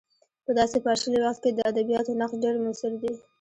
په داسې پاشلي وخت کې د ادبیاتو نقش ډېر موثر دی.